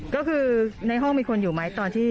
ก็คือในห้องมีคนอยู่ไหมตอนที่